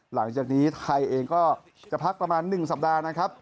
หลังจากนี้ไทยเองก็จะพักประมาณ๑สัปดาห์นะครับ